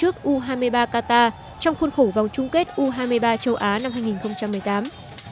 của đội tuyển u hai mươi ba việt nam trước u hai mươi ba qatar trong khuôn khủ vòng chung kết u hai mươi ba châu á năm hai nghìn một mươi tám